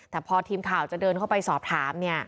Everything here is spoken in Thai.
แต่พอทีมข่าวจะเดินเข้าไปสอบถาม